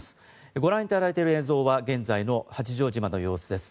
ご覧いただいている映像は現在の八丈島の様子です。